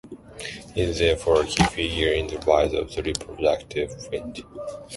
He is therefore a key figure in the rise of the reproductive print.